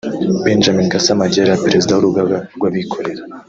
Benjamin Gasamagera Perezida w’Urugaga rw’abikorera